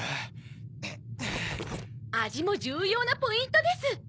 味も重要なポイントです。